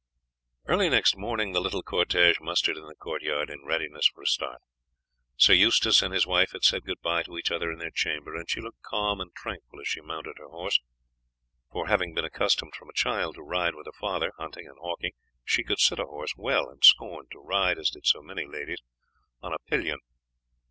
Early next morning the little cortege mustered in the court yard in readiness for a start. Sir Eustace and his wife had said good bye to each other in their chamber, and she looked calm and tranquil as she mounted her horse; for, having been accustomed from a child to ride with her father hunting and hawking, she could sit a horse well, and scorned to ride, as did so many ladies, on a pillion.